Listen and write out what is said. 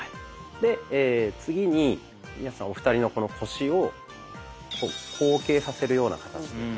で次にお二人のこの腰を後傾させるような形。